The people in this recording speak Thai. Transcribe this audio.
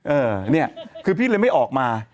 เออเนี่ยคือพี่เลยไม่ออกมา